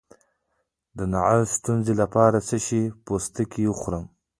د نعوظ د ستونزې لپاره د څه شي پوستکی وخورم؟